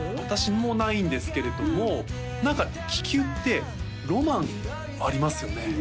私もないんですけれども何か気球ってロマンありますよね